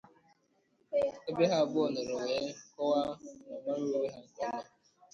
ebe ha abụọ nọrọ wee kọwaa ma mara onwe ha nke ọma.